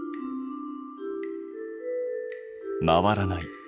回らない。